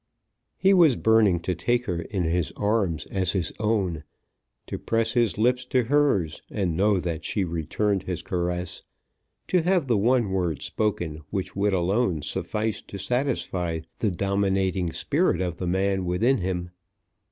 He was burning to take her in his arms as his own, to press his lips to hers and know that she returned his caress, to have the one word spoken which would alone suffice to satisfy the dominating spirit of the man within him.